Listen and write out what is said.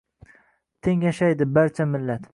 Teng yashaydi barcha millat